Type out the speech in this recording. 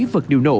vật liệu nổ